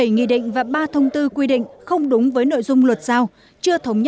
bảy nghị định và ba thông tư quy định không đúng với nội dung luật giao